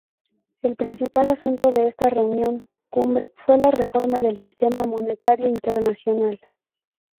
El principal asunto de esta reunión-cumbre, fue la reforma del Sistema Monetario Internacional.